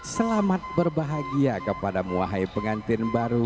selamat berbahagia kepada muahai pengantin baru